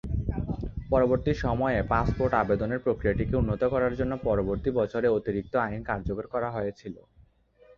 পরবর্তী সময়ে, পাসপোর্ট আবেদনের প্রক্রিয়াটিকে উন্নত করার জন্য পরবর্তী বছরে অতিরিক্ত আইন কার্যকর করা হয়েছিল।